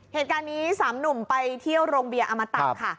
เหตุการณ์นี้๓หนุ่มไปเที่ยวโรงเบียอมตะค่ะ